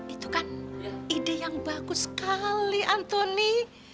itu kan ide yang bagus sekali antoni